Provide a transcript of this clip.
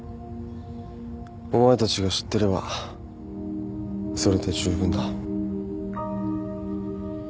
お前たちが知ってればそれで十分だ。